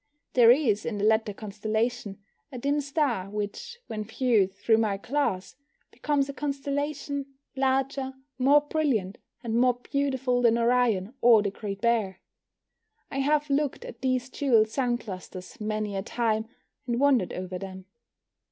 There is, in the latter constellation, a dim star which, when viewed through my glass, becomes a constellation larger, more brilliant, and more beautiful than Orion or the Great Bear. I have looked at these jewelled sun clusters many a time, and wondered over them.